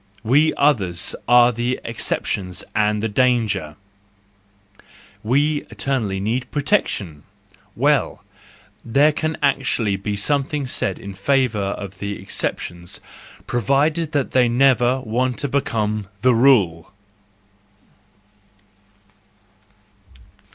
We others are the exceptions and the danger ,—we eternally need pro¬ tection !—Well, there can actually be something said in favour of the exceptions provided that they never want to become the rule.